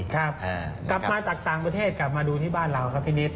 กลับมาจากต่างประเทศกลับมาดูที่บ้านเราครับพี่นิด